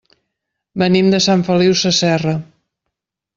Venim de Sant Feliu Sasserra.